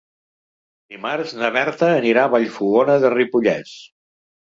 Dimarts na Berta anirà a Vallfogona de Ripollès.